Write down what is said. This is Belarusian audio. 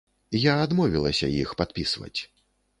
Я адмовілася іх падпісваць.